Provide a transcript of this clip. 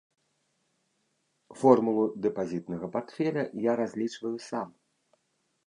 Формулу дэпазітнага партфеля я разлічваю сам.